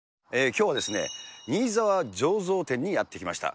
きょうはですね、新澤醸造店にやって来ました。